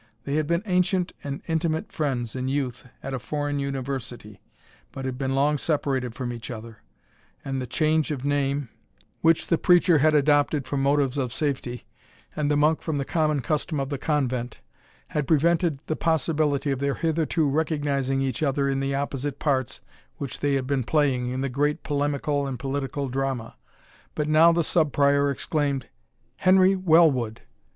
They had been ancient and intimate friends in youth at a foreign university, but had been long separated from each other; and the change of name, which the preacher had adopted from motives of safety, and the monk from the common custom of the convent, had prevented the possibility of their hitherto recognizing each other in the opposite parts which they had been playing in the great polemical and political drama. But now the Sub Prior exclaimed, "Henry Wellwood!"